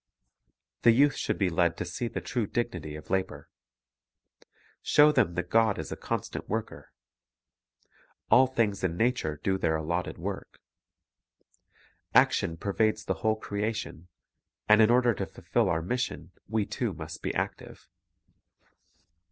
The youth should be led to see the true dignity of labor. Show them that God is a constant worker. Dignity of j\\\ things in nature do their allotted work. Action Labor ° pervades the whole creation, and in order to fulfil our mission we too must be active.